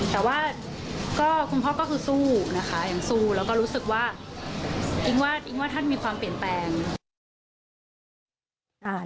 แต่ว่าก็คุณพ่อก็คือสู้นะคะอิงสู้แล้วก็รู้สึกว่าอิ๊งว่าอิ๊งว่าท่านมีความเปลี่ยนแปลง